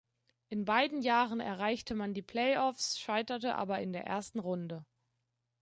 In beiden Jahren erreichte man die Playoffs, scheiterte aber in der ersten Runde.